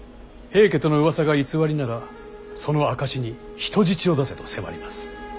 平家とのうわさが偽りならその証しに人質を出せと迫ります。